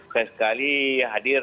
saya sekali hadir